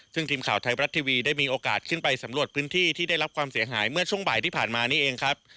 ซึ่งทีมข่าวไทยบรัฐทีวีได้มีโอกาสขึ้นไปสำรวจพื้นที่ที่ได้รับความเสียหายเมื่อช่วงบ่ายที่ผ่านมานี่เองครับ